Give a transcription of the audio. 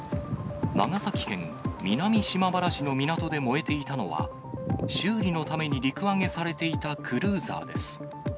長崎県南島原市の港で燃えていたのは、修理のために陸揚げされていたクルーザーです。